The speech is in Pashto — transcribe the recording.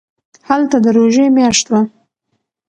هلته د روژې میاشت وه.